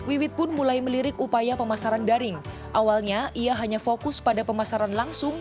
wiwit pun mulai melirik upaya pemasaran daring awalnya ia hanya fokus pada pemasaran langsung